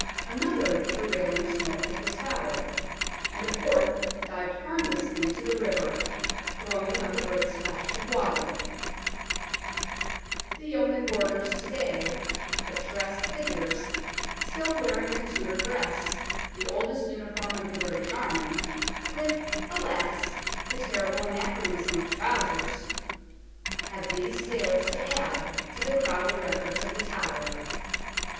Another hit the railings north of The Tower, and a fourth dived harmlessly into the river, throwing up a great splash of water. 158 THE TOWER OF LONDON The Yeomen Warders to day, picturesque figures, still wearing the Tudor dress, the oldest uniform of the British Army with, alas, the terrible anachronism of trousers ! have these tales to add to the crowded records of The Tower.